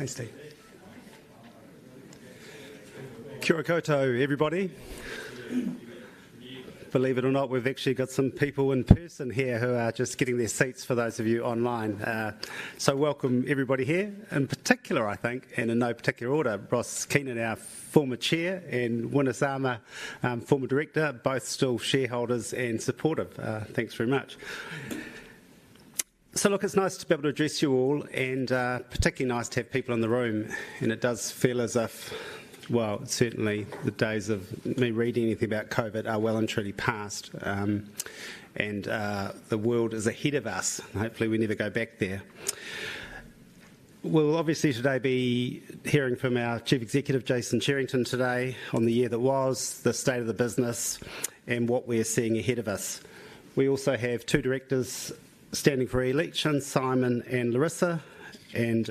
Thanks, Steve. Kia ora koutou, everybody. Believe it or not, we've actually got some people in person here who are just getting their seats, for those of you online. Welcome everybody here. In particular, I think, and in no particular order, Ross Keenan, our former chair, and Winnie Sarma, former director, both still shareholders and supportive. Thanks very much. Look, it's nice to be able to address you all, and particularly nice to have people in the room, and it does feel as if, well, certainly the days of me reading anything about COVID are well and truly past. And the world is ahead of us, and hopefully we never go back there. We'll obviously today be hearing from our Chief Executive, Jason Cherrington, today on the year that was, the state of the business, and what we're seeing ahead of us. We also have two directors standing for re-election, Simon and Laurissa, and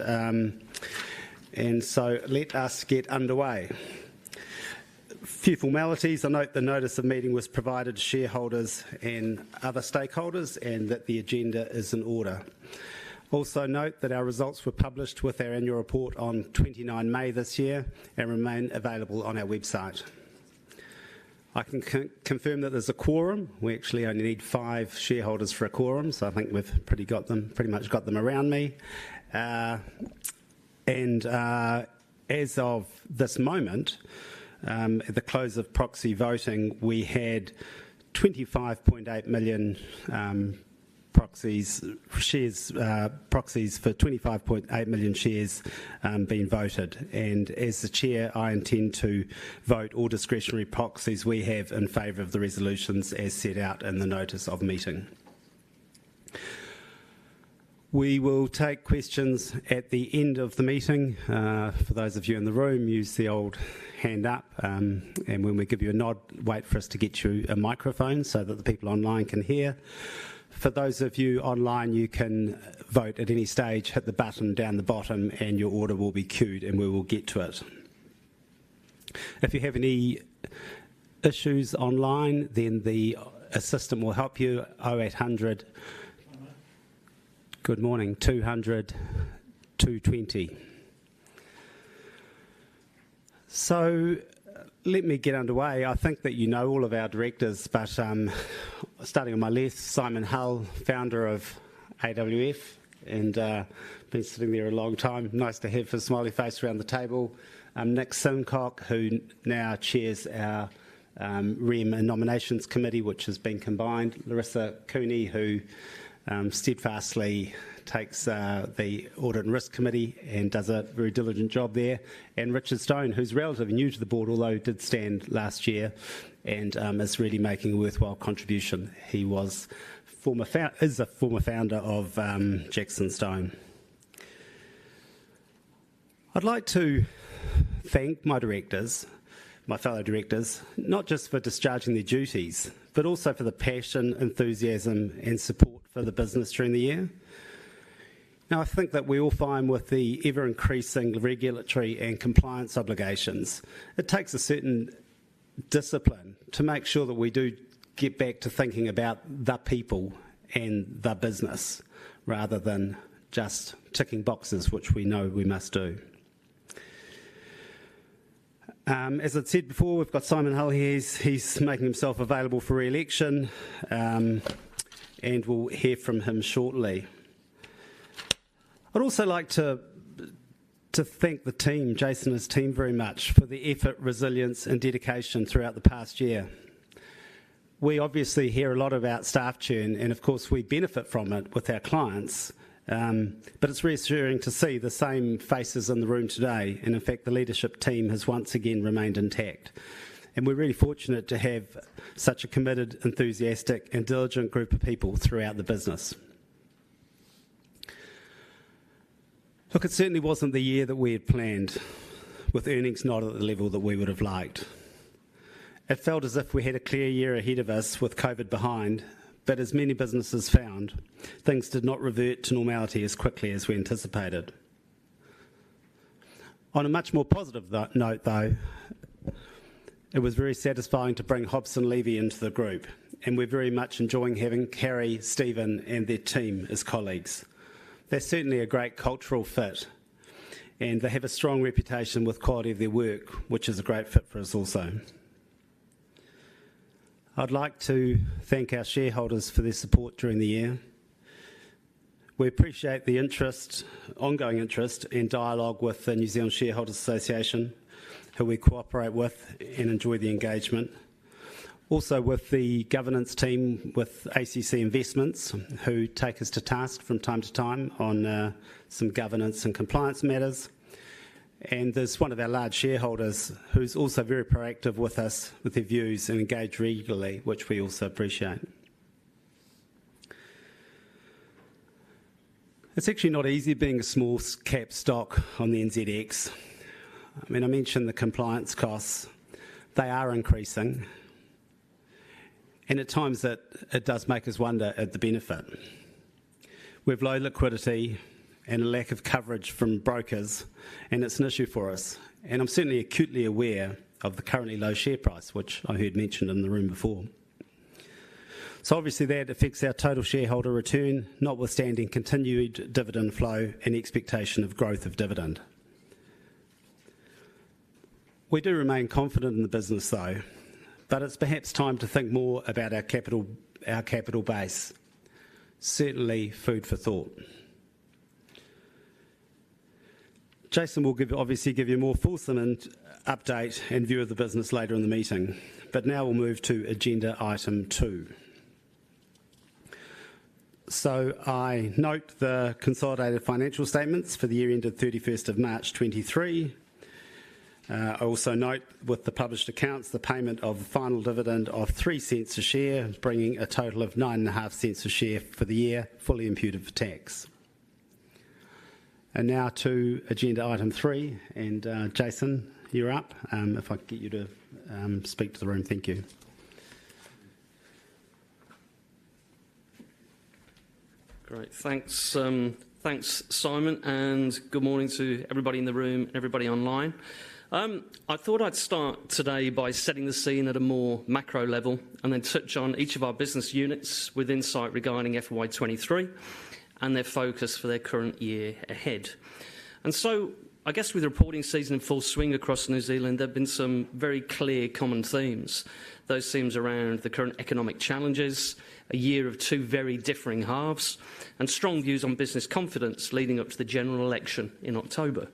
so let us get underway. A few formalities. I note the notice of meeting was provided to shareholders and other stakeholders, and that the agenda is in order. Also note that our results were published with our annual report on 29 May this year and remain available on our website. I can confirm that there's a quorum. We actually only need five shareholders for a quorum, so I think we've pretty much got them around me. As of this moment, at the close of proxy voting, we had 25.8 million proxies, shares, proxies for 25.8 million shares being voted. As the chair, I intend to vote all discretionary proxies we have in favor of the resolutions as set out in the notice of meeting. We will take questions at the end of the meeting. For those of you in the room, use the old hand up, and when we give you a nod, wait for us to get you a microphone so that the people online can hear. For those of you online, you can vote at any stage. Hit the button down the bottom and your order will be queued, and we will get to it. If you have any issues online, then the system will help you: 0800- Good morning. Good morning, 200 220. Let me get underway. I think that you know all of our directors, but starting on my left, Simon Hull, founder of AWF, and been sitting there a long time. Nice to have his smiley face around the table. Nick Simcock, who now chairs our rem and nominations committee, which has been combined. Laurissa Cooney, who steadfastly takes the Audit and Risk Committee and does a very diligent job there. Richard Stone, who's relatively new to the board, although he did stand last year and is really making a worthwhile contribution. He is a former founder of JacksonStone & Partners. I'd like to thank my directors, my fellow directors, not just for discharging their duties, but also for the passion, enthusiasm, and support for the business during the year. Now, I think that we all find with the ever-increasing regulatory and compliance obligations, it takes a certain discipline to make sure that we do get back to thinking about the people and the business, rather than just ticking boxes, which we know we must do. As I've said before, we've got Simon Hull here. He's, he's making himself available for re-election, and we'll hear from him shortly. I'd also like to, to thank the team, Jason and his team, very much for the effort, resilience, and dedication throughout the past year. We obviously hear a lot about staff churn, and of course, we benefit from it with our clients. But it's reassuring to see the same faces in the room today, and in fact, the leadership team has once again remained intact. We're really fortunate to have such a committed, enthusiastic, and diligent group of people throughout the business. Look, it certainly wasn't the year that we had planned, with earnings not at the level that we would have liked. It felt as if we had a clear year ahead of us with COVID behind, but as many businesses found, things did not revert to normality as quickly as we anticipated. On a much more positive note, though, it was very satisfying to bring Hobson Leavy into the group, and we're very much enjoying having Carrie, Steve, and their team as colleagues. They're certainly a great cultural fit, and they have a strong reputation with quality of their work, which is a great fit for us also. I'd like to thank our shareholders for their support during the year. We appreciate the interest, ongoing interest and dialogue with the New Zealand Shareholders' Association, who we cooperate with and enjoy the engagement. Also with the governance team, with ACC Investments, who take us to task from time to time on some governance and compliance matters. There's one of our large shareholders who's also very proactive with us, with their views, and engage regularly, which we also appreciate. It's actually not easy being a small cap stock on the NZX. I mean, I mentioned the compliance costs. They are increasing, and at times it, it does make us wonder at the benefit. We've low liquidity and a lack of coverage from brokers, and it's an issue for us, and I'm certainly acutely aware of the currently low share price, which I heard mentioned in the room before. Obviously, that affects our total shareholder return, notwithstanding continued dividend flow and expectation of growth of dividend. We do remain confident in the business, though, but it's perhaps time to think more about our capital, our capital base. Certainly, food for thought. Jason will give, obviously, give you a more fulsome and update and view of the business later in the meeting, but now we'll move to agenda item two. I note the consolidated financial statements for the year ended 31st of March, 2023. I also note with the published accounts, the payment of the final dividend of 0.03 a share, bringing a total of 0.095 a share for the year, fully imputed for tax. Now to agenda item three, and Jason, you're up. If I could get you to speak to the room. Thank you. Great. Thanks, thanks, Simon, and good morning to everybody in the room and everybody online. I thought I'd start today by setting the scene at a more macro level and then touch on each of our business units with insight regarding FY2023 and their focus for their current year ahead. I guess with the reporting season in full swing across New Zealand, there have been some very clear common themes. Those themes around the current economic challenges, a year of two very differing halves, and strong views on business confidence leading up to the general election in October.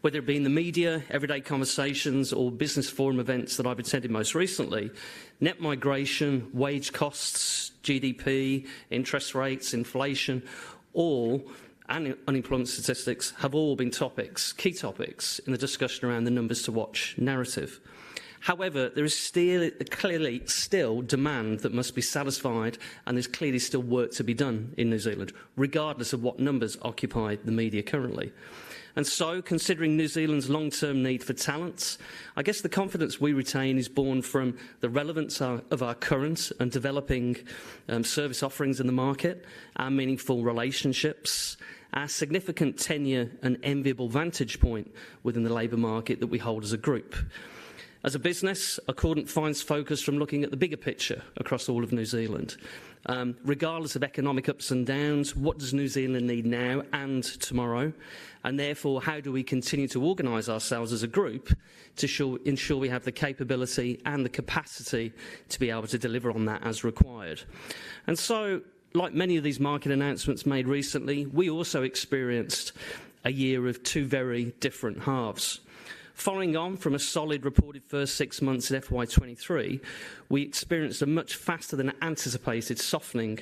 Whether it be in the media, everyday conversations, or business forum events that I've attended most recently, net migration, wage costs, GDP, interest rates, inflation, all, and unemployment statistics, have all been topics, key topics in the discussion around the numbers to watch narrative. However, there is still, clearly still demand that must be satisfied, and there's clearly still work to be done in New Zealand, regardless of what numbers occupy the media currently. Considering New Zealand's long-term need for talents, I guess the confidence we retain is born from the relevance our, of our current and developing service offerings in the market, our meaningful relationships, our significant tenure and enviable vantage point within the labor market that we hold as a group. As a business, Accordant finds focus from looking at the bigger picture across all of New Zealand. Regardless of economic ups and downs, what does New Zealand need now and tomorrow? Therefore, how do we continue to organize ourselves as a group to ensure we have the capability and the capacity to be able to deliver on that as required? Like many of these market announcements made recently, we also experienced a year of two very different halves. Following on from a solid reported first six months at FY2023, we experienced a much faster than anticipated softening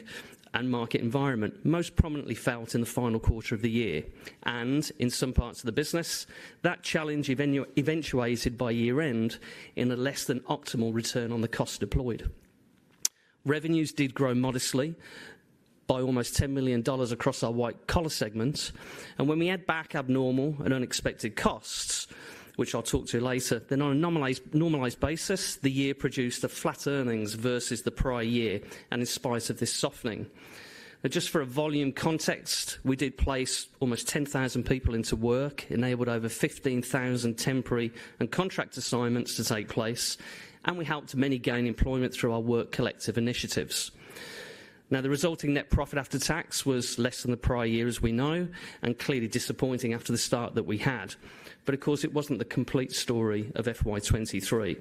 and market environment, most prominently felt in the final quarter of the year. In some parts of the business, that challenge eventuated by year-end in a less than optimal return on the cost deployed. Revenues did grow modestly by almost 10 million dollars across our white-collar segments, and when we add back abnormal and unexpected costs, which I'll talk to you later, then on a normalized basis, the year produced a flat earnings versus the prior year, and in spite of this softening. Just for a volume context, we did place almost 10,000 people into work, enabled over 15,000 temporary and contract assignments to take place, and we helped many gain employment through our work collective initiatives. Now, the resulting net profit after tax was less than the prior year, as we know, and clearly disappointing after the start that we had. Of course, it wasn't the complete story of FY2023.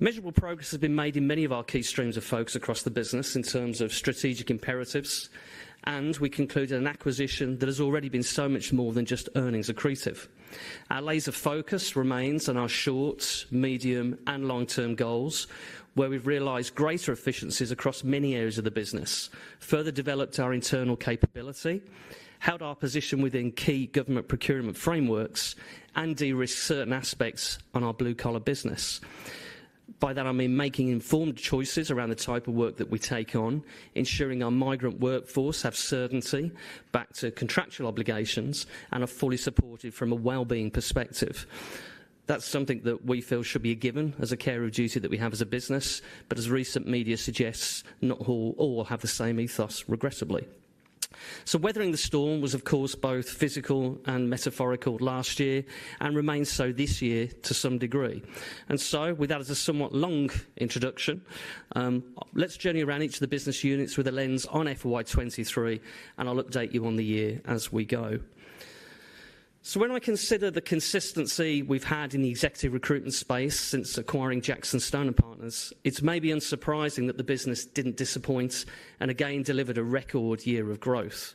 Measurable progress has been made in many of our key streams of focus across the business in terms of strategic imperatives, and we concluded an acquisition that has already been so much more than just earnings accretive. Our laser focus remains on our short, medium, and long-term goals, where we've realized greater efficiencies across many areas of the business, further developed our internal capability, held our position within key government procurement frameworks, and de-risked certain aspects on our blue-collar business. By that, I mean making informed choices around the type of work that we take on, ensuring our migrant workforce have certainty back to contractual obligations and are fully supported from a well-being perspective. That's something that we feel should be a given as a care of duty that we have as a business, but as recent media suggests, not all, all have the same ethos, regrettably. Weathering the storm was, of course, both physical and metaphorical last year and remains so this year to some degree. With that as a somewhat long introduction, let's journey around each of the business units with a lens on FY23, and I'll update you on the year as we go. When I consider the consistency we've had in the executive recruitment space since acquiring JacksonStone & Partners, it's maybe unsurprising that the business didn't disappoint and again, delivered a record year of growth.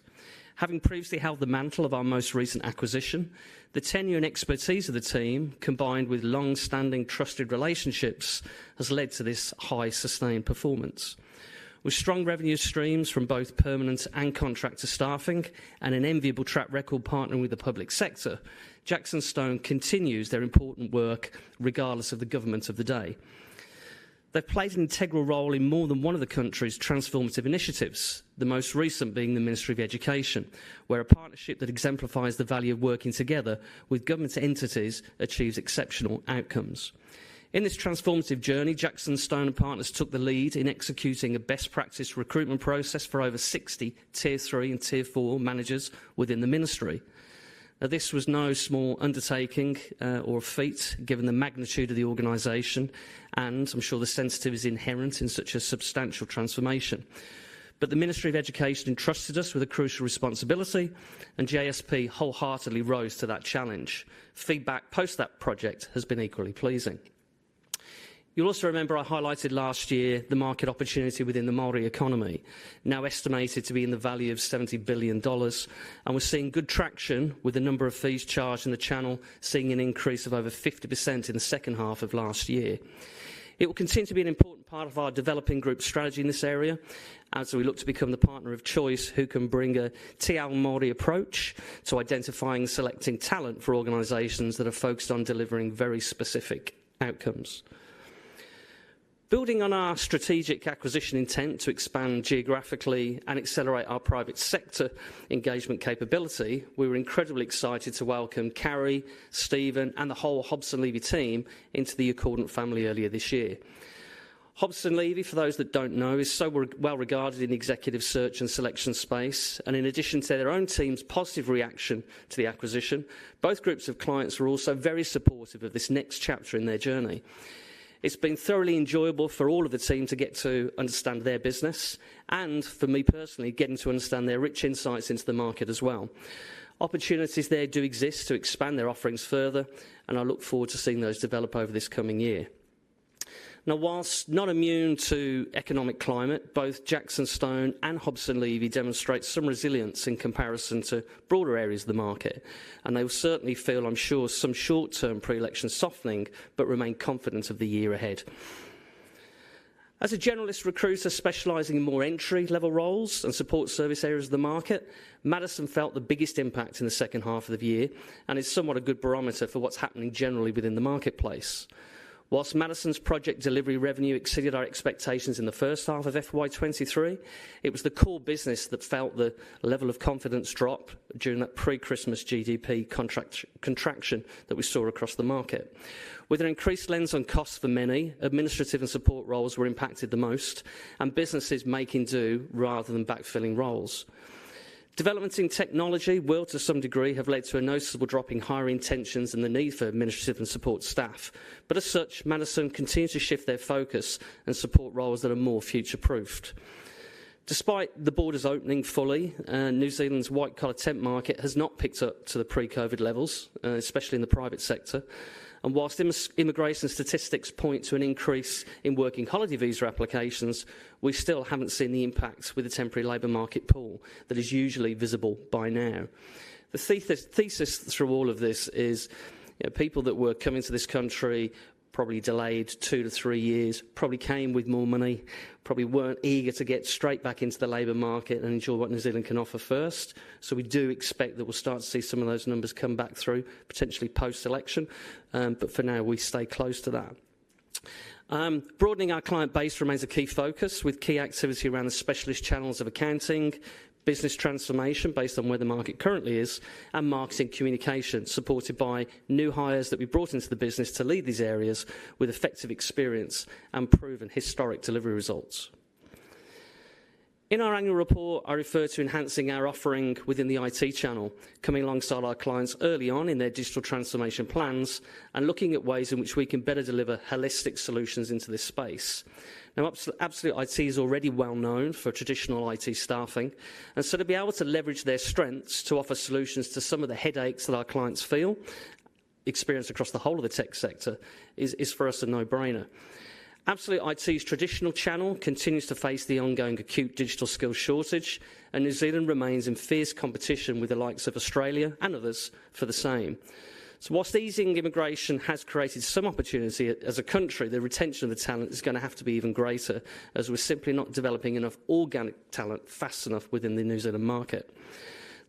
Having previously held the mantle of our most recent acquisition, the tenure and expertise of the team, combined with long-standing trusted relationships, has led to this high, sustained performance. With strong revenue streams from both permanent and contractor staffing and an enviable track record partnering with the public sector, JacksonStone continues their important work regardless of the government of the day. They've played an integral role in more than one of the country's transformative initiatives, the most recent being the Ministry of Education, where a partnership that exemplifies the value of working together with government entities achieves exceptional outcomes. In this transformative journey, JacksonStone & Partners took the lead in executing a best practice recruitment process for over 60 Tier three and Tier four managers within the ministry. Now, this was no small undertaking, or feat, given the magnitude of the organization, and I'm sure the sensitivity is inherent in such a substantial transformation. The Ministry of Education trusted us with a crucial responsibility, and JSP wholeheartedly rose to that challenge. Feedback post that project has been equally pleasing.... You'll also remember I highlighted last year the market opportunity within the Māori economy, now estimated to be in the value of 70 billion dollars, and we're seeing good traction with the number of fees charged in the channel, seeing an increase of over 50% in the second half of last year. It will continue to be an important part of our developing group strategy in this area, as we look to become the partner of choice who can bring a te ao Māori approach to identifying, selecting talent for organizations that are focused on delivering very specific outcomes. Building on our strategic acquisition intent to expand geographically and accelerate our private sector engagement capability, we were incredibly excited to welcome Carrie, Stephen, and the whole Hobson Leavy team into the Accordant family earlier this year. Hobson Leavy, for those that don't know, is so well regarded in the executive search and selection space. In addition to their own team's positive reaction to the acquisition, both groups of clients were also very supportive of this next chapter in their journey. It's been thoroughly enjoyable for all of the team to get to understand their business and, for me personally, getting to understand their rich insights into the market as well. Opportunities there do exist to expand their offerings further, and I look forward to seeing those develop over this coming year. Now, whilst not immune to economic climate, both JacksonStone and Hobson Leavy demonstrate some resilience in comparison to broader areas of the market. They will certainly feel, I'm sure, some short-term pre-election softening, but remain confident of the year ahead. As a generalist recruiter specializing in more entry-level roles and support service areas of the market, Madison felt the biggest impact in the second half of the year, and is somewhat a good barometer for what's happening generally within the marketplace. Whilst Madison's project delivery revenue exceeded our expectations in the first half of FY2023, it was the core business that felt the level of confidence drop during that pre-Christmas GDP contraction that we saw across the market. With an increased lens on costs for many, administrative and support roles were impacted the most, and businesses making do rather than backfilling roles. Developments in technology will, to some degree, have led to a noticeable drop in hiring intentions and the need for administrative and support staff. As such, Madison continues to shift their focus on support roles that are more future-proofed. Despite the borders opening fully, New Zealand's white-collar temp market has not picked up to the pre-COVID levels, especially in the private sector. Whilst immigration statistics point to an increase in working holiday visa applications, we still haven't seen the impact with the temporary labor market pool that is usually visible by now. The thesis through all of this is, you know, people that were coming to this country, probably delayed 2-3 years, probably came with more money, probably weren't eager to get straight back into the labor market and enjoy what New Zealand can offer first. We do expect that we'll start to see some of those numbers come back through, potentially post-election. For now, we stay close to that. Broadening our client base remains a key focus, with key activity around the specialist channels of accounting, business transformation based on where the market currently is, and marketing communication, supported by new hires that we brought into the business to lead these areas with effective experience and proven historic delivery results. In our annual report, I referred to enhancing our offering within the IT channel, coming alongside our clients early on in their digital transformation plans and looking at ways in which we can better deliver holistic solutions into this space. Absolute IT is already well known for traditional IT staffing, and so to be able to leverage their strengths to offer solutions to some of the headaches that our clients feel, experienced across the whole of the tech sector, is, is for us a no-brainer. Absolute IT's traditional channel continues to face the ongoing acute digital skill shortage, and New Zealand remains in fierce competition with the likes of Australia and others for the same. Whilst the easing in immigration has created some opportunity as a country, the retention of the talent is gonna have to be even greater, as we're simply not developing enough organic talent fast enough within the New Zealand market.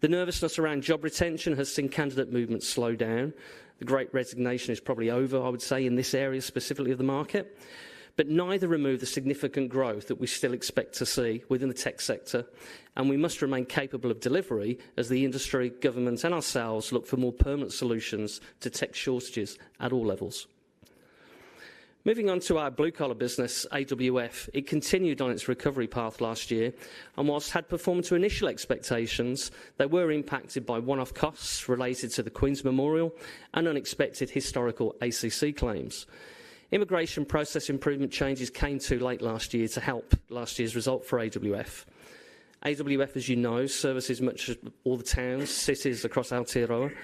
The nervousness around job retention has seen candidate movement slow down. The great resignation is probably over, I would say, in this area, specifically of the market. Neither remove the significant growth that we still expect to see within the tech sector, and we must remain capable of delivery as the industry, government, and ourselves look for more permanent solutions to tech shortages at all levels. Moving on to our blue-collar business, AWF, it continued on its recovery path last year, whilst had performed to initial expectations, they were impacted by one-off costs related to the Queen's Memorial and unexpected historical ACC claims. Immigration process improvement changes came too late last year to help last year's result for AWF. AWF, as you know, services much as all the towns, cities across Aotearoa.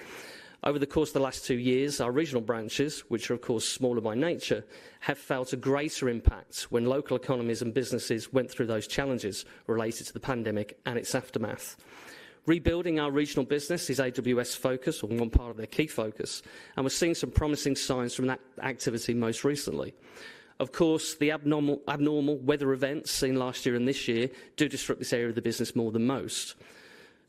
Over the course of the last two years, our regional branches, which are, of course, smaller by nature, have felt a greater impact when local economies and businesses went through those challenges related to the pandemic and its aftermath. Rebuilding our regional business is AWF's focus, or one part of their key focus, we're seeing some promising signs from that activity most recently. Of course, the abnormal, abnormal weather events seen last year and this year do disrupt this area of the business more than most.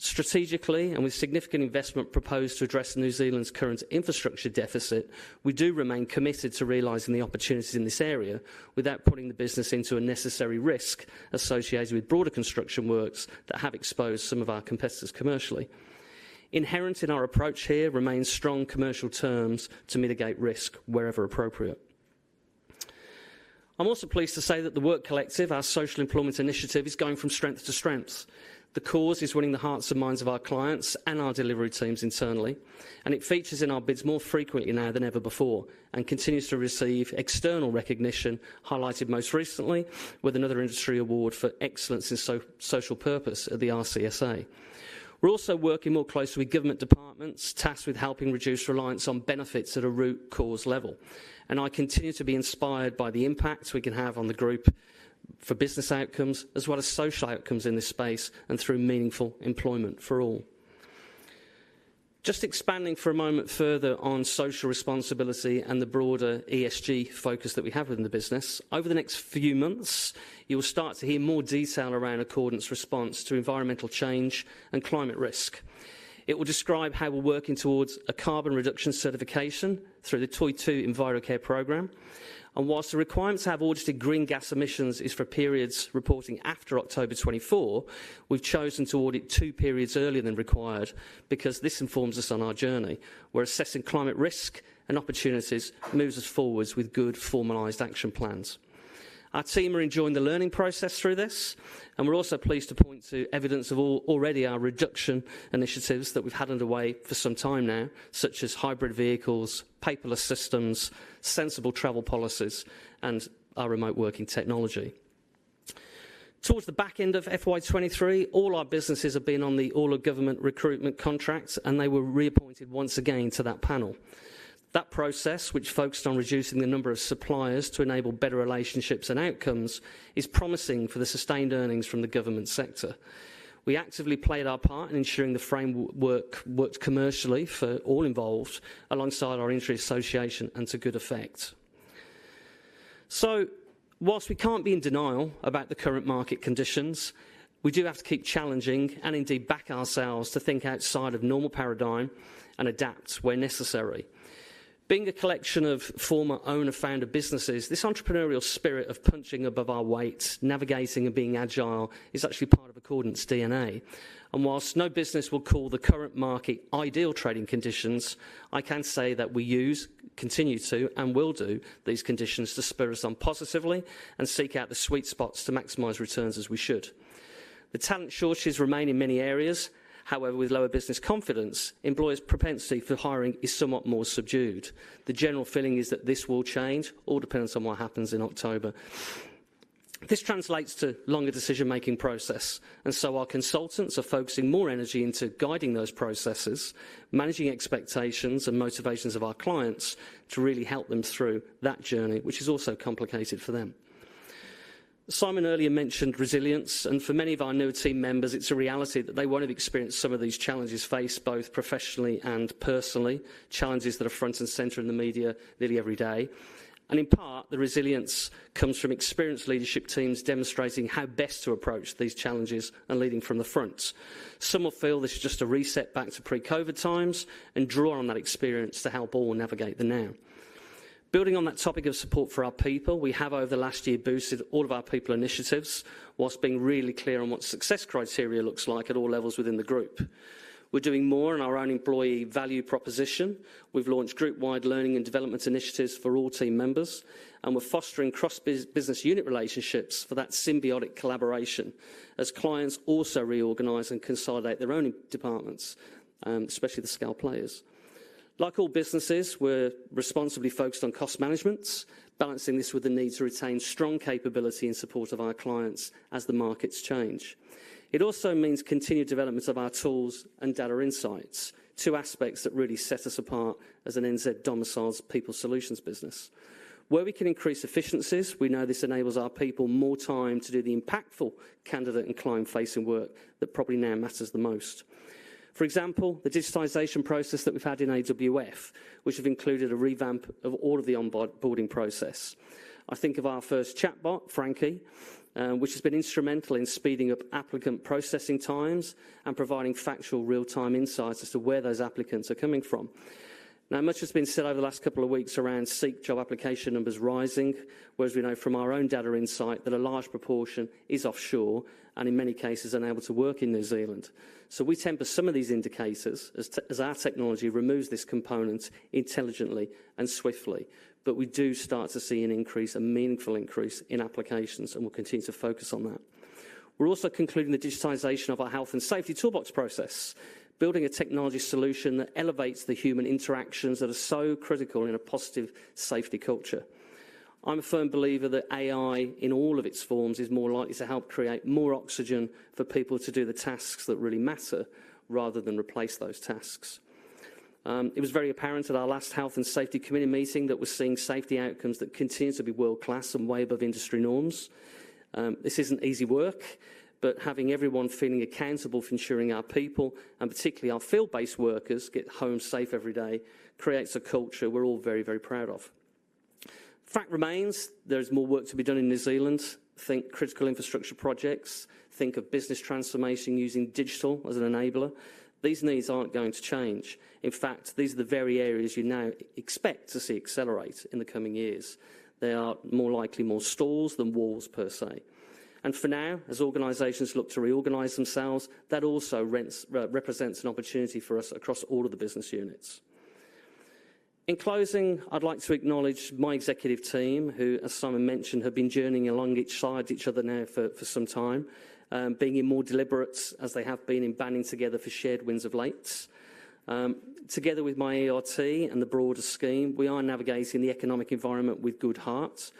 Strategically, and with significant investment proposed to address New Zealand's current infrastructure deficit, we do remain committed to realizing the opportunities in this area without putting the business into a necessary risk associated with broader construction works that have exposed some of our competitors commercially. Inherent in our approach here remains strong commercial terms to mitigate risk wherever appropriate. I'm also pleased to say that The Work Collective, our social employment initiative, is going from strength to strength. The cause is winning the hearts and minds of our clients and our delivery teams internally, and it features in our bids more frequently now than ever before and continues to receive external recognition highlighted most recently with another industry award for excellence in social purpose at the RCSA. We're also working more closely with government departments, tasked with helping reduce reliance on benefits at a root cause level. I continue to be inspired by the impact we can have on the group for business outcomes, as well as social outcomes in this space and through meaningful employment for all. Just expanding for a moment further on social responsibility and the broader ESG focus that we have within the business, over the next few months, you will start to hear more detail around Accordant response to environmental change and climate risk. It will describe how we're working towards a carbon reduction certification through the Toitū Envirocare program. Whilst the requirement to have audited green gas emissions is for periods reporting after October 2024, we've chosen to audit two periods earlier than required because this informs us on our journey. We're assessing climate risk and opportunities, moves us forward with good formalized action plans. Our team are enjoying the learning process through this, and we're also pleased to point to evidence of already our reduction initiatives that we've had underway for some time now, such as hybrid vehicles, paperless systems, sensible travel policies, and our remote working technology. Towards the back end of FY2023, all our businesses have been on the All-of-Government Recruitment contracts, and they were reappointed once again to that panel. That process, which focused on reducing the number of suppliers to enable better relationships and outcomes, is promising for the sustained earnings from the government sector. We actively played our part in ensuring the framework worked commercially for all involved, alongside our industry association, and to good effect. Whilst we can't be in denial about the current market conditions, we do have to keep challenging and indeed back ourselves to think outside of normal paradigm and adapt where necessary. Being a collection of former owner-founder businesses, this entrepreneurial spirit of punching above our weight, navigating and being agile is actually part of Accordant DNA. Whilst no business will call the current market ideal trading conditions, I can say that we use, continue to, and will do these conditions to spur us on positively and seek out the sweet spots to maximize returns as we should. The talent shortages remain in many areas. However, with lower business confidence, employers' propensity for hiring is somewhat more subdued. The general feeling is that this will change, all depends on what happens in October. This translates to longer decision-making process. Our consultants are focusing more energy into guiding those processes, managing expectations and motivations of our clients to really help them through that journey, which is also complicated for them. Simon earlier mentioned resilience. For many of our new team members, it's a reality that they won't have experienced some of these challenges faced, both professionally and personally, challenges that are front and center in the media nearly every day. In part, the resilience comes from experienced leadership teams demonstrating how best to approach these challenges and leading from the front. Some will feel this is just a reset back to pre-COVID times and draw on that experience to help all navigate the now. Building on that topic of support for our people, we have over the last year boosted all of our people initiatives, whilst being really clear on what success criteria looks like at all levels within the group. We're doing more in our own employee value proposition. We've launched group-wide learning and development initiatives for all team members, and we're fostering cross-business unit relationships for that symbiotic collaboration, as clients also reorganize and consolidate their own departments, especially the scale players. Like all businesses, we're responsibly focused on cost management, balancing this with the need to retain strong capability in support of our clients as the markets change. It also means continued development of our tools and data insights, two aspects that really set us apart as an NZ domiciled people solutions business. Where we can increase efficiencies, we know this enables our people more time to do the impactful candidate and client-facing work that probably now matters the most. For example, the digitalization process that we've had in AWS, which have included a revamp of all of the onboarding process. I think of our first chatbot, Frankie, which has been instrumental in speeding up applicant processing times and providing factual, real-time insights as to where those applicants are coming from. Much has been said over the last couple of weeks around SEEK job application numbers rising, whereas we know from our own data insight that a large proportion is offshore and in many cases unable to work in New Zealand. We temper some of these indicators as our technology removes this component intelligently and swiftly. We do start to see an increase, a meaningful increase, in applications, and we'll continue to focus on that. We're also concluding the digitalization of our health and safety toolbox process, building a technology solution that elevates the human interactions that are so critical in a positive safety culture. I'm a firm believer that AI, in all of its forms, is more likely to help create more oxygen for people to do the tasks that really matter, rather than replace those tasks. It was very apparent at our last Health and Safety Committee meeting that we're seeing safety outcomes that continue to be world-class and way above industry norms. This isn't easy work, but having everyone feeling accountable for ensuring our people, and particularly our field-based workers, get home safe every day, creates a culture we're all very, very proud of. Fact remains, there is more work to be done in New Zealand. Think critical infrastructure projects. Think of business transformation using digital as an enabler. These needs aren't going to change. In fact, these are the very areas you now expect to see accelerate in the coming years. They are more likely more stalls than walls, per se. For now, as organizations look to reorganize themselves, that also represents an opportunity for us across all of the business units. In closing, I'd like to acknowledge my executive team, who, as Simon mentioned, have been journeying along each side of each other now for, for some time, being in more deliberates as they have been in banding together for shared wins of late. Together with my ERT and the broader scheme, we are navigating the economic environment with good heart.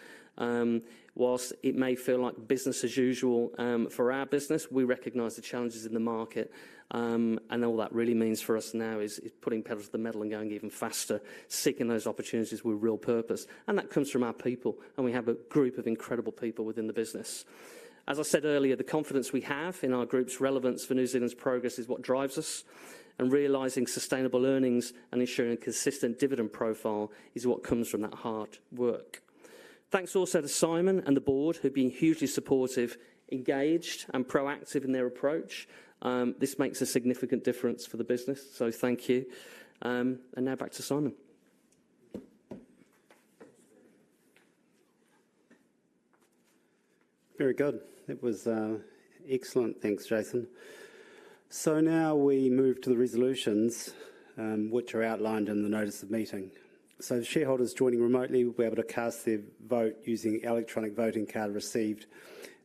Whilst it may feel like business as usual, for our business, we recognize the challenges in the market. All that really means for us now is, is putting pedal to the metal and going even faster, seeking those opportunities with real purpose, and that comes from our people, and we have a group of incredible people within the business. As I said earlier, the confidence we have in our group's relevance for New Zealand's progress is what drives us, and realizing sustainable earnings and ensuring a consistent dividend profile is what comes from that hard work. Thanks also to Simon and the board, who've been hugely supportive, engaged, and proactive in their approach. This makes a significant difference for the business, so thank you. Now back to Simon. Very good. That was excellent. Thanks, Jason. Now we move to the resolutions, which are outlined in the notice of meeting. The shareholders joining remotely will be able to cast their vote using electronic voting card received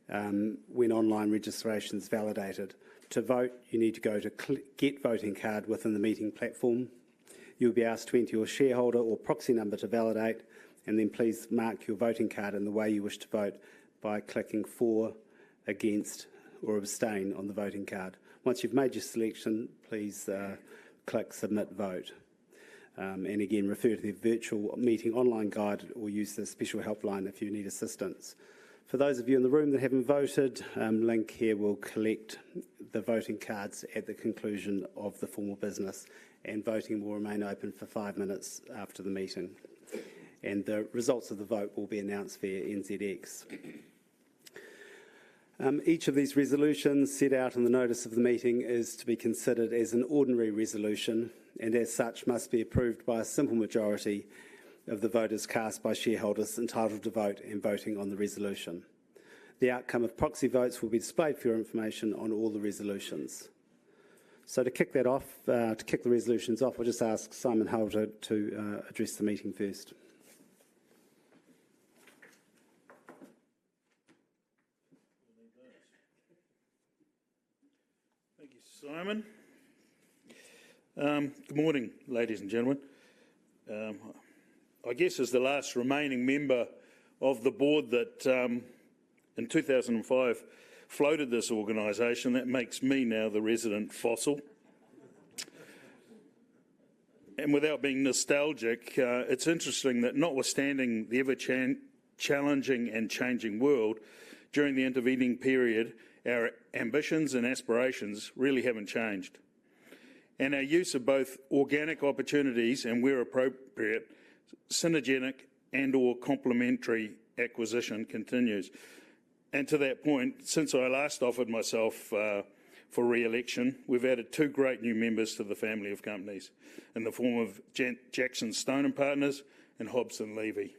when online registration's validated. To vote, you need to go to Get Voting Card within the meeting platform. You'll be asked to enter your shareholder or proxy number to validate, and then please mark your voting card in the way you wish to vote by clicking For, Against, or Abstain on the voting card. Once you've made your selection, please click Submit Vote. Again, refer to the virtual meeting online guide or use the special helpline if you need assistance. For those of you in the room that haven't voted, Link here will collect the voting cards at the conclusion of the formal business, and voting will remain open for five minutes after the meeting. The results of the vote will be announced via NZX. Each of these resolutions set out in the notice of the meeting is to be considered as an ordinary resolution, and as such, must be approved by a simple majority of the voters cast by shareholders entitled to vote and voting on the resolution. The outcome of proxy votes will be displayed, for your information, on all the resolutions. To kick that off, to kick the resolutions off, I'll just ask Simon Bennett to address the meeting first. Thank you, Simon. Good morning, ladies and gentlemen. I guess as the last remaining member of the board that, in 2005 floated this organization, that makes me now the resident fossil. Without being nostalgic, it's interesting that notwithstanding the ever challenging and changing world during the intervening period, our ambitions and aspirations really haven't changed. Our use of both organic opportunities, and where appropriate, synergetic and/or complementary acquisition continues. To that point, since I last offered myself, for re-election, we've added two great new members to the family of companies in the form of JacksonStone & Partners and Hobson Leavy.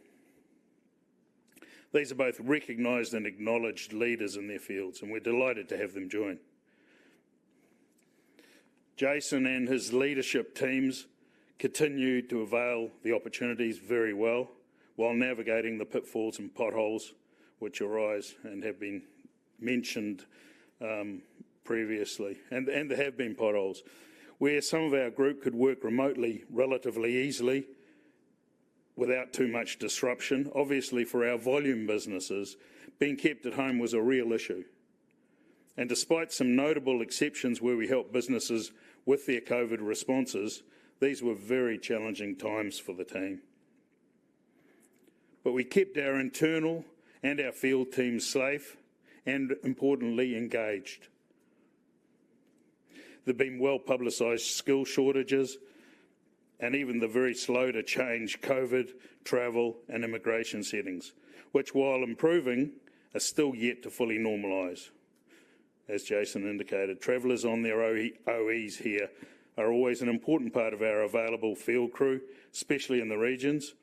These are both recognized and acknowledged leaders in their fields, and we're delighted to have them join. Jason and his leadership teams continue to avail the opportunities very well, while navigating the pitfalls and potholes which arise and have been mentioned, previously, and, and there have been potholes. Where some of our group could work remotely, relatively easily, without too much disruption, obviously, for our volume businesses, being kept at home was a real issue. Despite some notable exceptions where we helped businesses with their COVID responses, these were very challenging times for the team. We kept our internal and our field teams safe and, importantly, engaged. There've been well-publicized skill shortages and even the very slow-to-change COVID travel and immigration settings, which, while improving, are still yet to fully normalize. As Jason indicated, travelers on their OE, OEs here are always an important part of our available field crew, especially in the regions,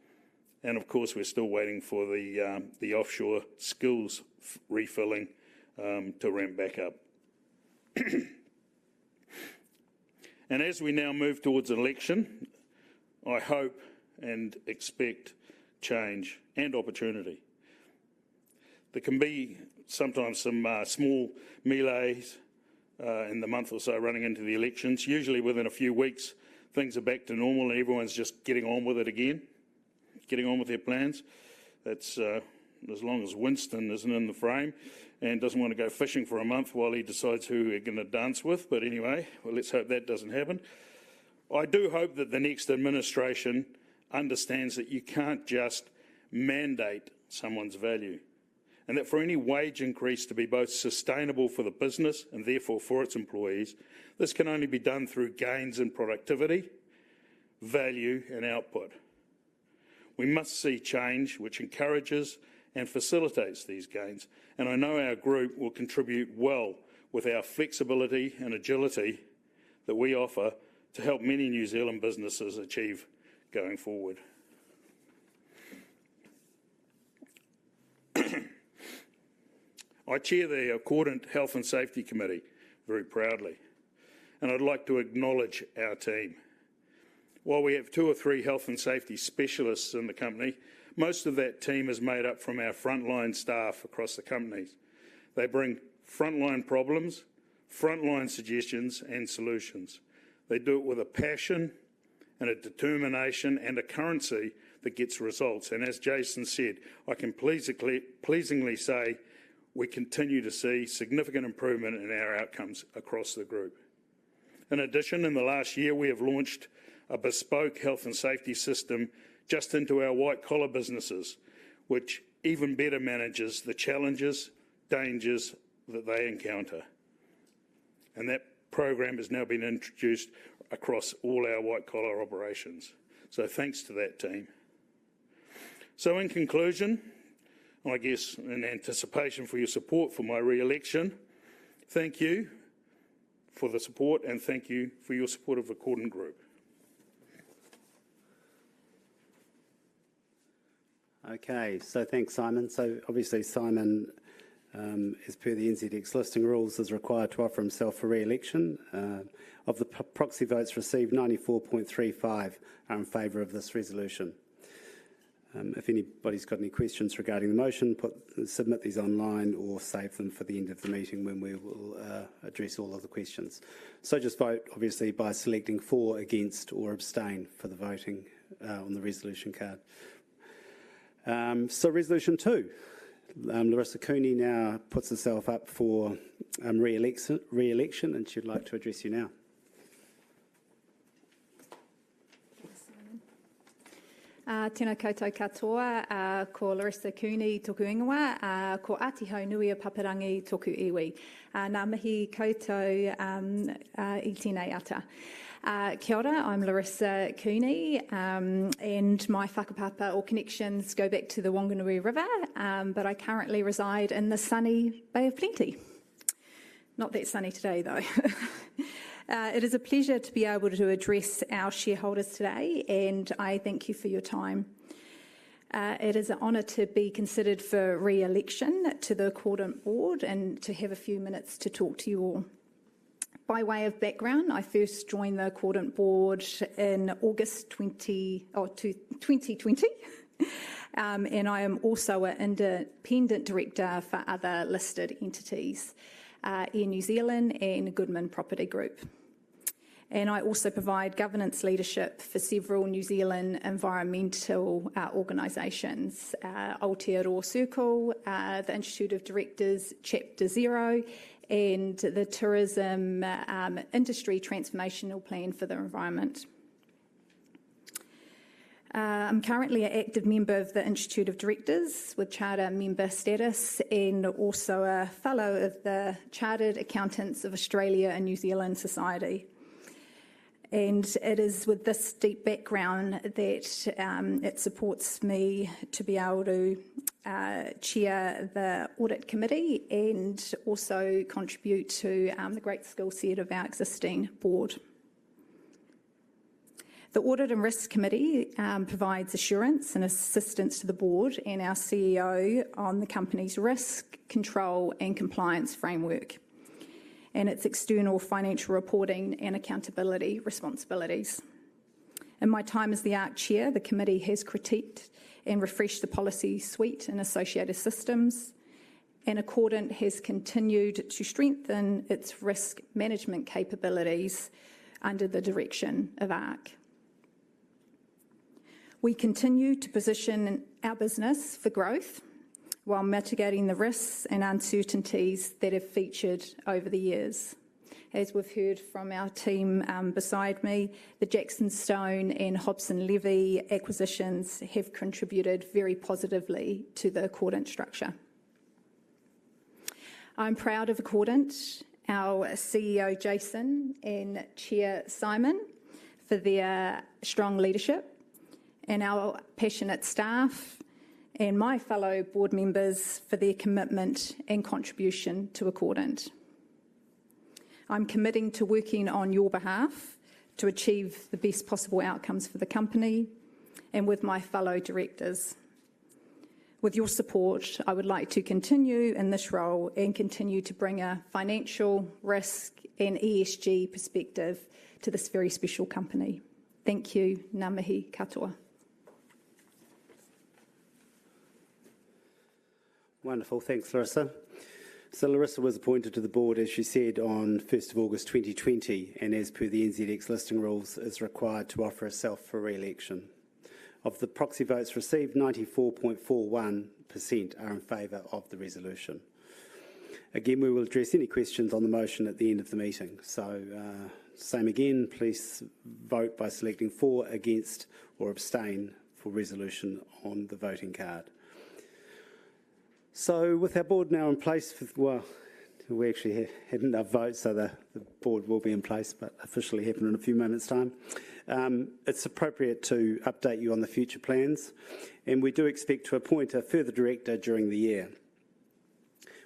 and of course, we're still waiting for the offshore skills refilling to ramp back up. As we now move towards an election, I hope and expect change and opportunity. There can be sometimes some small melees in the month or so running into the elections. Usually, within a few weeks, things are back to normal, and everyone's just getting on with it again, getting on with their plans. That's as long as Winston isn't in the frame and doesn't want to go fishing for a month while he decides who we're gonna dance with. Anyway, well, let's hope that doesn't happen. I do hope that the next administration understands that you can't just mandate someone's value, and that for any wage increase to be both sustainable for the business, and therefore for its employees, this can only be done through gains in productivity, value, and output. We must see change which encourages and facilitates these gains, and I know our group will contribute well with our flexibility and agility that we offer to help many New Zealand businesses achieve going forward I chair the Accordant Health and Safety Committee very proudly, and I'd like to acknowledge our team. While we have two or three health and safety specialists in the company, most of that team is made up from our frontline staff across the companies. They bring frontline problems, frontline suggestions, and solutions. They do it with a passion, and a determination, and a currency that gets results. As Jason said, I can pleasingly, pleasingly say we continue to see significant improvement in our outcomes across the group. In addition, in the last year, we have launched a bespoke health and safety system just into our white-collar businesses, which even better manages the challenges, dangers that they encounter. That program is now being introduced across all our white-collar operations. Thanks to that team. In conclusion, I guess, in anticipation for your support for my re-election, thank you for the support, and thank you for your support of Accordant Group. Okay, thanks, Simon. Obviously, Simon, as per the NZX Listing Rules, is required to offer himself for re-election. Of the proxy votes received, 94.35% are in favor of this resolution. If anybody's got any questions regarding the motion, submit these online or save them for the end of the meeting when we will address all of the questions. Just vote, obviously, by selecting for, against, or abstain for the voting on the resolution card. Resolution two, Laurissa Cooney now puts herself up for re-election, and she'd like to address you now. Thanks, Simon. tēnā koutou katoa. ko Laurissa Cooney toku ingoa. ko Āti Haunui-a-Pāpārangi toku iwi. Ngā mihi koutou i tēnei ata. Kia ora, I'm Laurissa Cooney, and my whakapapa or connections go back to the Whanganui River, but I currently reside in the sunny Bay of Plenty. Not that sunny today, though. It is a pleasure to be able to address our shareholders today, and I thank you for your time. It is an honor to be considered for re-election to the Accordant board and to have a few minutes to talk to you all. By way of background, I first joined the Accordant board in August 2020. I am also an independent director for other listed entities, Air New Zealand and Goodman Group. I also provide governance leadership for several New Zealand environmental organizations: Aotearoa Circle, the Institute of Directors, Chapter Zero, and the Tourism Industry Transformation Plan for the Environment. I'm currently an active member of the Institute of Directors with charter member status and also a fellow of the Chartered Accountants of Australia and New Zealand Society. It is with this deep background that it supports me to be able to chair the audit committee and also contribute to the great skill set of our existing board. The Audit and Risk Committee provides assurance and assistance to the board and our CEO on the company's risk, control, and compliance framework, and its external financial reporting and accountability responsibilities. In my time as the ARC Chair, the committee has critiqued and refreshed the policy suite and associated systems, and Accordant has continued to strengthen its risk management capabilities under the direction of ARC. We continue to position our business for growth while mitigating the risks and uncertainties that have featured over the years. As we've heard from our team, beside me, the JacksonStone and Hobson Leavy acquisitions have contributed very positively to the Accordant structure. I'm proud of Accordant, our CEO, Jason, and Chair, Simon, for their strong leadership, and our passionate staff, and my fellow board members for their commitment and contribution to Accordant. I'm committing to working on your behalf to achieve the best possible outcomes for the company and with my fellow directors. With your support, I would like to continue in this role and continue to bring a financial risk and ESG perspective to this very special company. Thank you. Ngā mihi katoa. Wonderful. Thanks, Larissa. Larissa was appointed to the board, as she said, on 1st of August 2020, and as per the NZX Listing Rules, is required to offer herself for re-election. Of the proxy votes received, 94.41% are in favor of the resolution. Again, we will address any questions on the motion at the end of the meeting. Same again, please vote by selecting for, against, or abstain for resolution on the voting card. With our board now in place for.. Well, we actually hadn't enough votes, so the, the board will be in place, but officially happen in a few minutes' time. It's appropriate to update you on the future plans, and we do expect to appoint a further director during the year....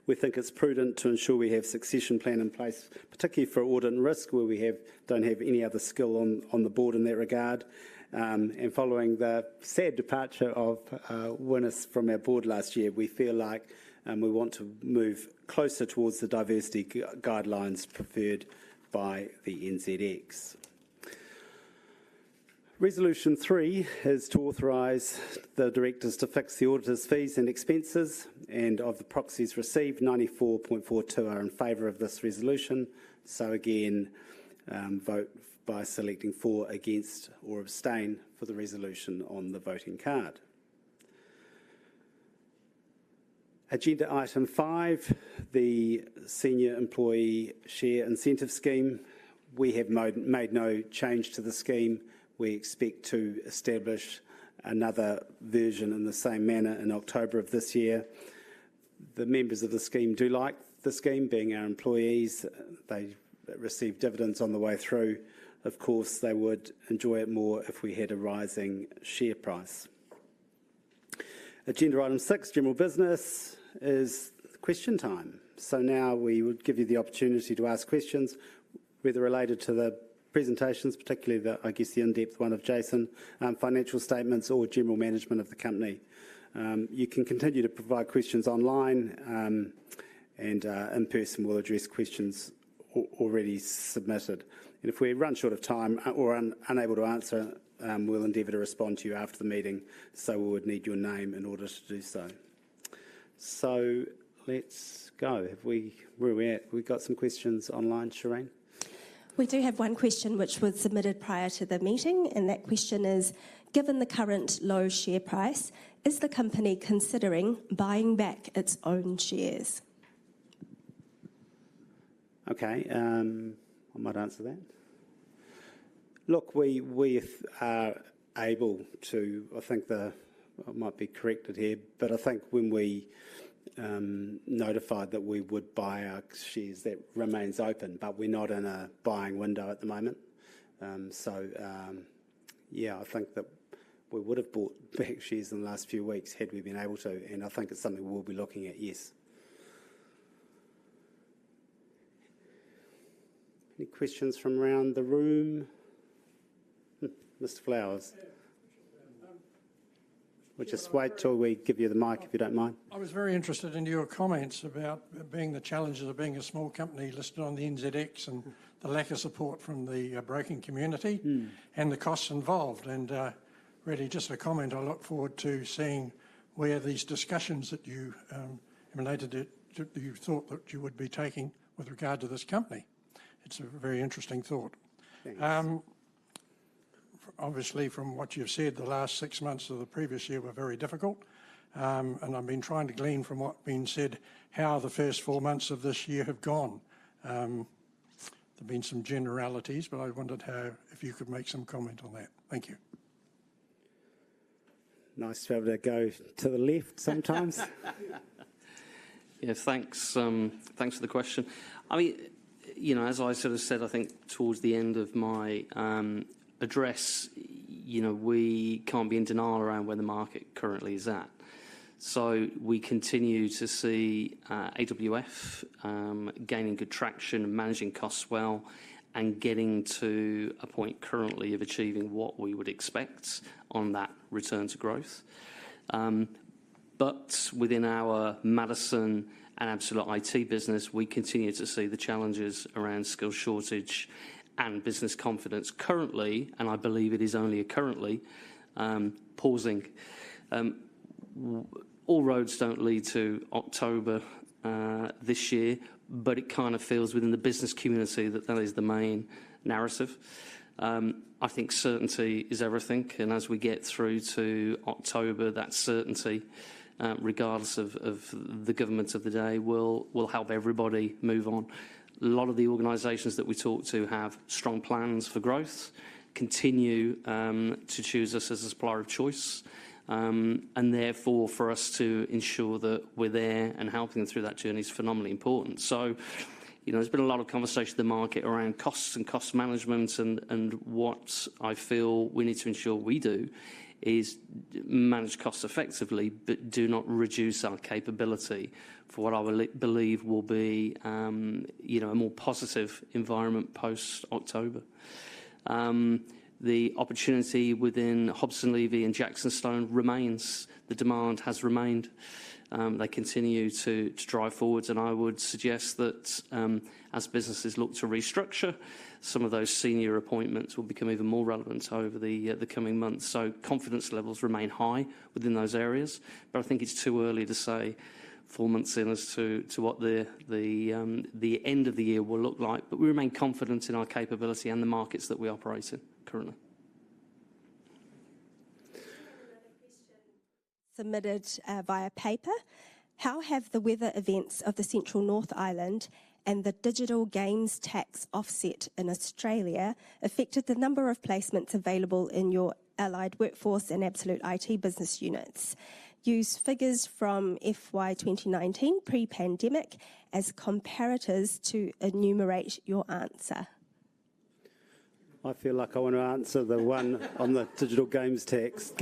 we think it's prudent to ensure we have succession plan in place, particularly for Audit and Risk, where we have, don't have any other skill on the board in that regard. Following the sad departure of Wynnis Armour from our board last year, we feel like we want to move closer towards the diversity guidelines preferred by the NZX. Resolution three is to authorize the directors to fix the auditors' fees and expenses, and of the proxies received, 94.42% are in favor of this resolution. Again, vote by selecting for, against, or abstain for the resolution on the voting card. Agenda item five, the senior employee share incentive scheme. We have made no change to the scheme. We expect to establish another version in the same manner in October of this year. The members of the scheme do like the scheme. Being our employees, they receive dividends on the way through. Of course, they would enjoy it more if we had a rising share price. Agenda item six, general business, is question time. Now we will give you the opportunity to ask questions, whether related to the presentations, particularly the, I guess, the in-depth one of Jason, financial statements or general management of the company. You can continue to provide questions online, and in person. We'll address questions already submitted. If we run short of time or unable to answer, we'll endeavor to respond to you after the meeting, so we would need your name in order to do so. Let's go. Where are we at? We've got some questions online, Sheraine? We do have one question which was submitted prior to the meeting. That question is: Given the current low share price, is the company considering buying back its own shares? Okay, I might answer that. Look, we, we are able to, I think I might be corrected here, but I think when we, notified that we would buy our shares, that remains open, but we're not in a buying window at the moment. Yeah, I think that we would have bought back shares in the last few weeks had we been able to, and I think it's something we'll be looking at, yes. Any questions from around the room? Mr Flowers. Yeah. We just wait till we give you the mic, if you don't mind. I was very interested in your comments about being, the challenges of being a small company listed on the NZX and the lack of support from the broking community. Mm... and the costs involved. Really just a comment, I look forward to seeing where these discussions that you, related it, you thought that you would be taking with regard to this company. It's a very interesting thought. Thanks. Obviously, from what you've said, the last six months of the previous year were very difficult. I've been trying to glean from what's been said, how the first four months of this year have gone. There've been some generalities, but I wondered how, if you could make some comment on that. Thank you. Nice to be able to go to the left sometimes. Yeah, thanks, thanks for the question. I mean, you know, as I sort of said, I think towards the end of my address, you know, we can't be in denial around where the market currently is at. We continue to see AWF gaining good traction and managing costs well, and getting to a point currently of achieving what we would expect on that return to growth. Within our Madison and Absolute IT business, we continue to see the challenges around skill shortage and business confidence. Currently, and I believe it is only a currently, pausing. All roads don't lead to October this year, but it kind of feels within the business community that that is the main narrative. I think certainty is everything, and as we get through to October, that certainty, regardless of, of the government of the day, will, will help everybody move on. A lot of the organizations that we talk to have strong plans for growth, continue, to choose us as a supplier of choice, and therefore, for us to ensure that we're there and helping them through that journey is phenomenally important. So, you know, there's been a lot of conversation in the market around costs and cost management, and, and what I feel we need to ensure we do is manage costs effectively, but do not reduce our capability for what I believe will be, you know, a more positive environment post-October. The opportunity within Hobson Leavy and JacksonStone remains. The demand has remained. They continue to, to drive forwards, and I would suggest that, as businesses look to restructure, some of those senior appointments will become even more relevant over the coming months. Confidence levels remain high within those areas, but I think it's too early to say four months in as to, to what the, the, the end of the year will look like. We remain confident in our capability and the markets that we operate in currently. Another question submitted, via paper. How have the weather events of the central North Island and the Digital Games Tax Offset in Australia affected the number of placements available in your allied workforce and Absolute IT business units? Use figures from FY2019, pre-pandemic, as comparators to enumerate your answer.... I feel like I want to answer the one on the Digital Games Tax,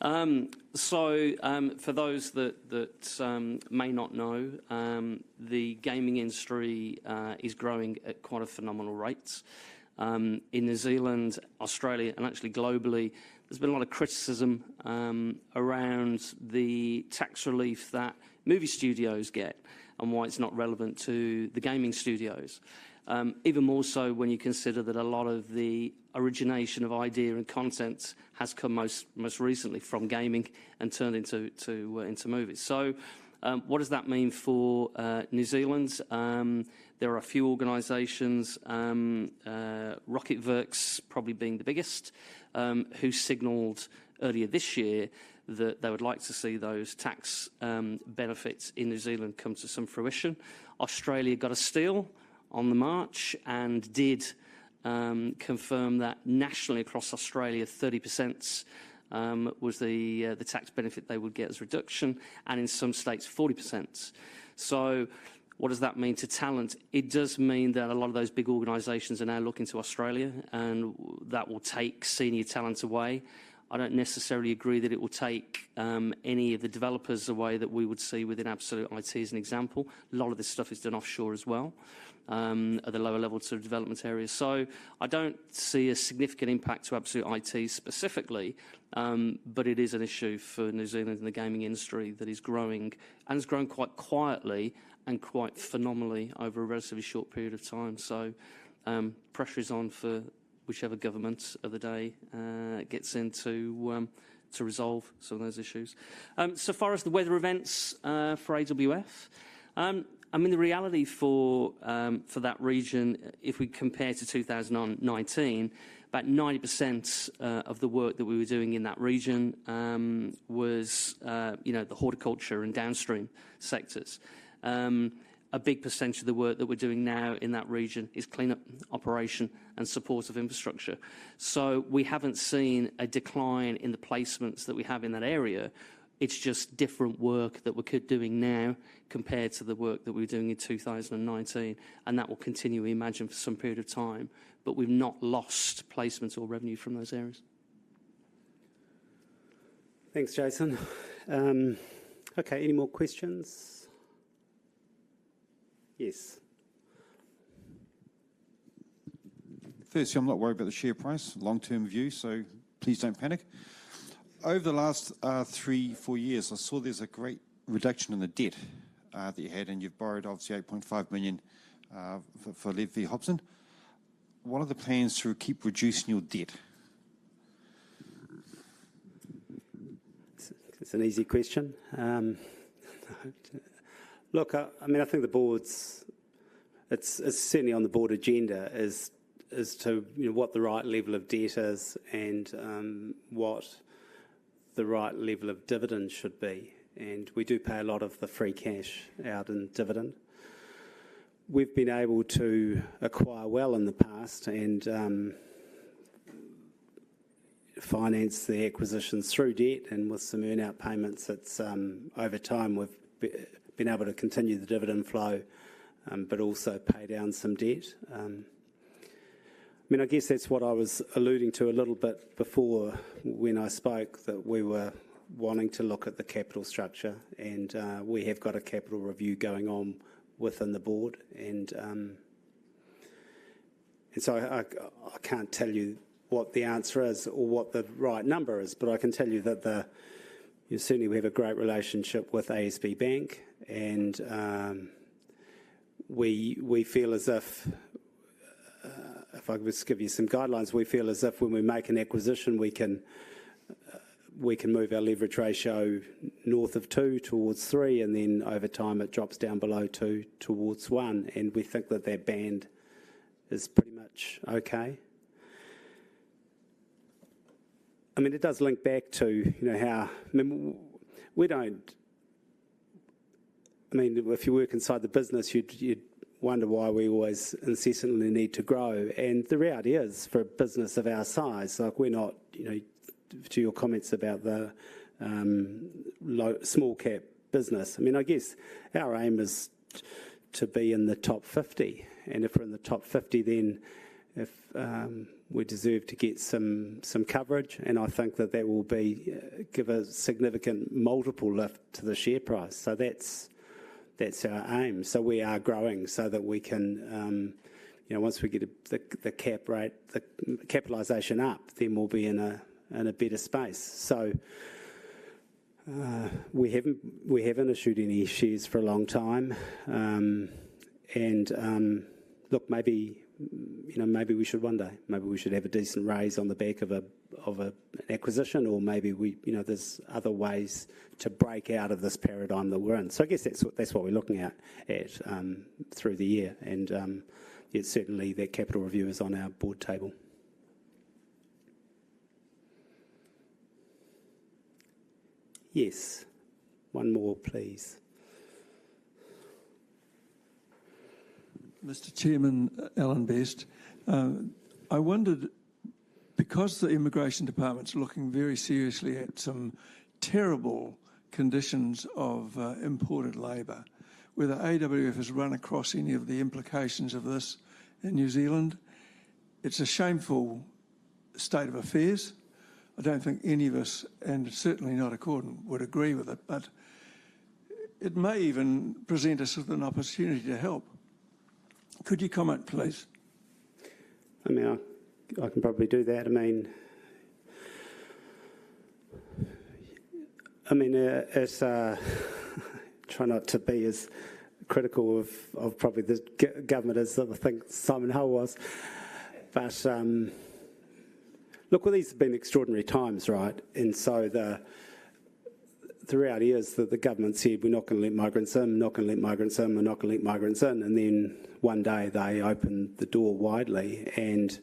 but, oh, you can. I'll do both. For those that, that, may not know, the gaming industry is growing at quite a phenomenal rates. In New Zealand, Australia, and actually globally, there's been a lot of criticism around the tax relief that movie studios get and why it's not relevant to the gaming studios. Even more so when you consider that a lot of the origination of idea and content has come most, most recently from gaming and turned into, to, into movies. What does that mean for New Zealand? There are a few organizations, RocketWerkz's probably being the biggest, who signaled earlier this year that they would like to see those tax benefits in New Zealand come to some fruition. Australia got a steal on the march and did confirm that nationally across Australia, 30% was the tax benefit they would get as reduction, and in some states, 40%. What does that mean to talent? It does mean that a lot of those big organizations are now looking to Australia, and that will take senior talent away. I don't necessarily agree that it will take any of the developers away that we would see within Absolute IT, as an example. A lot of this stuff is done offshore as well, at the lower-level sort of development area. I don't see a significant impact to Absolute IT specifically, but it is an issue for New Zealand and the gaming industry that is growing, and it's grown quite quietly and quite phenomenally over a relatively short period of time. Pressure is on for whichever government of the day gets in to resolve some of those issues. So far as the weather events for AWF, I mean, the reality for that region, if we compare to 2019, about 90% of the work that we were doing in that region was, you know, the horticulture and downstream sectors. A big percentage of the work that we're doing now in that region is cleanup operation and support of infrastructure. We haven't seen a decline in the placements that we have in that area. It's just different work that we're doing now compared to the work that we were doing in 2019, and that will continue, we imagine, for some period of time, but we've not lost placements or revenue from those areas. Thanks, Jason. Okay, any more questions? Yes. Firstly, I'm not worried about the share price, long-term view, so please don't panic. Over the last 3, 4 years, I saw there's a great reduction in the debt that you had, and you've borrowed, obviously, 8.5 million for Hobson Leavy. What are the plans to keep reducing your debt? It's, it's an easy question. look, I, I mean, I think the board's... It's, it's certainly on the board agenda, is, as to, you know, what the right level of debt is and, what the right level of dividend should be, and we do pay a lot of the free cash out in dividend. We've been able to acquire well in the past and, finance the acquisitions through debt and with some earn-out payments, it's, over time, we've been able to continue the dividend flow, but also pay down some debt. I mean, I guess that's what I was alluding to a little bit before when I spoke, that we were wanting to look at the capital structure, and, we have got a capital review going on within the board. I can't tell you what the answer is or what the right number is, but I can tell you that certainly, we have a great relationship with ASB Bank, we feel as if, if I was to give you some guidelines, we feel as if when we make an acquisition, we can move our leverage ratio north of two towards three, and then over time it drops down below two towards one, and we think that that band is pretty much okay. I mean, it does link back to, you know, how, I mean, we don't... I mean, if you work inside the business, you'd, you'd wonder why we always incessantly need to grow. The reality is, for a business of our size, like, we're not, you know, to your comments about the low-small cap business, I mean, I guess our aim is to, to be in the top 50. If we're in the top 50, then if we deserve to get some, some coverage, I think that that will be give a significant multiple lift to the share price. That's, that's our aim. We are growing so that we can, you know, once we get the, the cap right, the capitalization up, then we'll be in a, in a better space. We haven't, we haven't issued any shares for a long time. Look, maybe, you know, maybe we should one day. Maybe we should have a decent raise on the back of an acquisition, or maybe, you know, there's other ways to break out of this paradigm that we're in. I guess that's what, that's what we're looking at, through the year. Yeah, certainly, that capital review is on our board table. Yes. One more, please. Mr. Chairman, Alan Best. I wondered because the Immigration Department's looking very seriously at some terrible conditions of imported labor, whether AWF has run across any of the implications of this in New Zealand. It's a shameful state of affairs. I don't think any of us, and certainly not Accordant, would agree with it, but it may even present us with an opportunity to help. Could you comment, please? I mean, I, I can probably do that. I mean, I mean, as, try not to be as critical of, of probably the government as I think Simon Hull was. Look, well, these have been extraordinary times, right? Throughout years that the government said, "We're not gonna let migrants in, we're not gonna let migrants in, we're not gonna let migrants in," and then one day they opened the door widely, and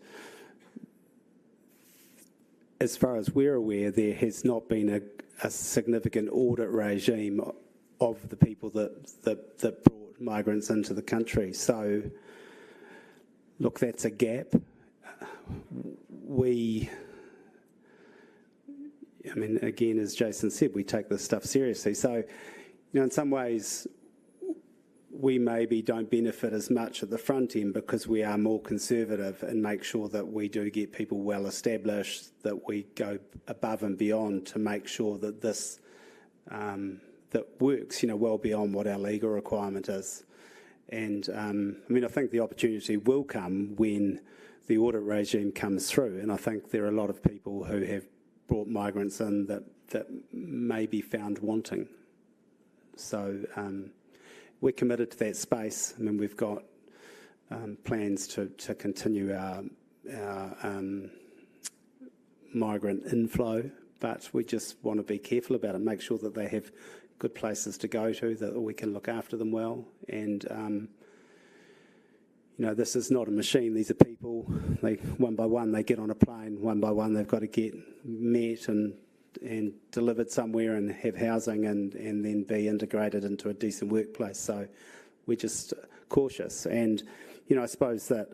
as far as we're aware, there has not been a, a significant audit regime of the people that, that, that brought migrants into the country. Look, that's a gap. I mean, again, as Jason said, we take this stuff seriously. You know, in some ways, we maybe don't benefit as much at the front end because we are more conservative and make sure that we do get people well established, that we go above and beyond to make sure that this, that works, you know, well beyond what our legal requirement is. I mean, I think the opportunity will come when the audit regime comes through, and I think there are a lot of people who have brought migrants in that, that may be found wanting. We're committed to that space, and then we've got plans to, to continue our, our migrant inflow, but we just wanna be careful about it, make sure that they have good places to go to, that we can look after them well. You know, this is not a machine. These are people. They, one by one, they get on a plane. One by one, they've got to get met and, and delivered somewhere and have housing and, and then be integrated into a decent workplace. We're just cautious. You know, I suppose that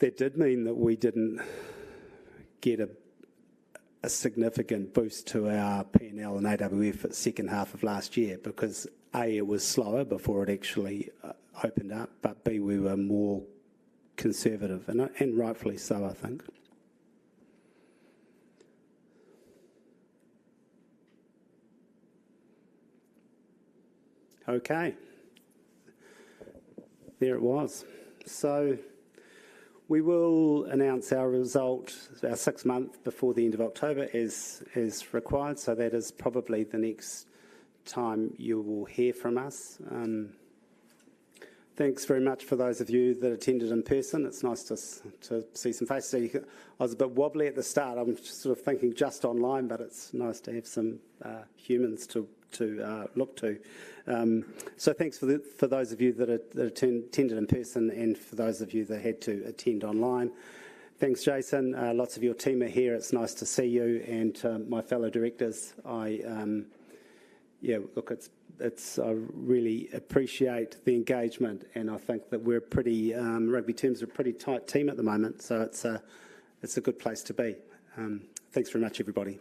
that did mean that we didn't get a, a significant boost to our P&L and AWF at the second half of last year because, A, it was slower before it actually opened up, but, B, we were more conservative, and, and rightfully so, I think. Okay. There it was. We will announce our result, our 6-month, before the end of October, as, as required, so that is probably the next time you will hear from us. Thanks very much for those of you that attended in person. It's nice to see some faces. I was a bit wobbly at the start. I'm sort of thinking just online, but it's nice to have some humans to, to look to. So thanks for those of you that attended in person and for those of you that had to attend online. Thanks, Jason. Lots of your team are here. It's nice to see you and my fellow directors. I... Yeah, look, it's I really appreciate the engagement, and I think that we're pretty, rugby terms, we're a pretty tight team at the moment, so it's, it's a good place to be. Thanks very much, everybody.